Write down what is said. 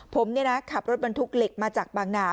ผมขับรถบรรทุกเหล็กมาจากบางนา